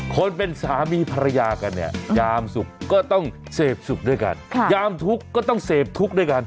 คนเป็นสามีภรรยากันเนี่ยยามสุขก็ต้องเสพสุขด้วยกันยามทุกข์ก็ต้องเสพทุกข์ด้วยกัน